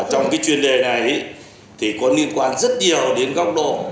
trong cái chuyên đề này thì có liên quan rất nhiều đến góc độ